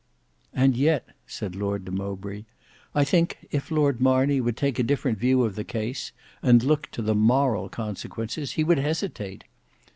"And yet," said Lord de Mowbray, "I think if Lord Marney would take a different view of the case and look to the moral consequences, he would hesitate.